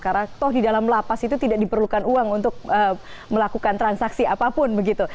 karena toh di dalam lapas itu tidak diperlukan uang untuk melakukan transaksi apapun begitu